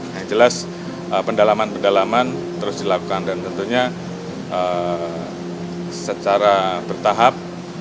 yang jelas pendalaman pendalaman terus dilakukan dan tentunya secara bertahap